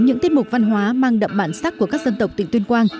những tiết mục văn hóa mang đậm bản sắc của các dân tộc tỉnh tuyên quang